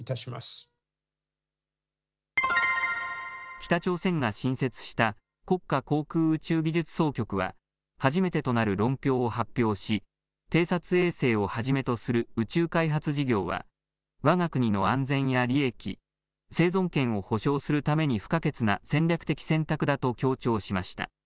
北朝鮮が新設した国家航空宇宙技術総局は初めてとなる論評を発表し、偵察衛星をはじめとする宇宙開発事業は、わが国の安全や利益、生存権を保証するために不可欠な戦略的選択だと強調しました。